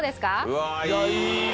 うわいいよ！